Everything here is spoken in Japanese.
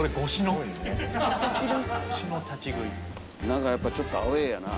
なんかやっぱちょっとアウェーやな。